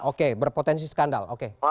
oke berpotensi skandal